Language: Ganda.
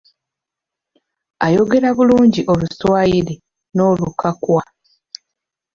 Ayogera bulungi Oluswayiri n'Olukakwa.